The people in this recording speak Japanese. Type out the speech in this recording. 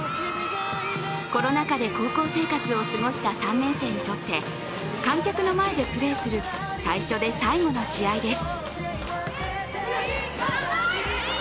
コロナ禍で高校生活を過ごした３年生にとって観客の前でプレーする最初で最後の試合です。